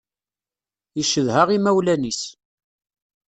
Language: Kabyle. Yeccedha imawlan-is.